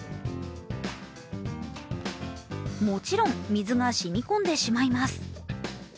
もちろん水がしみ込んでしまいます。